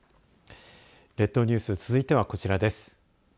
列島ニュース続いてはこちらです。